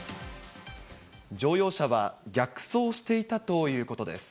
乗用車は逆走していたということです。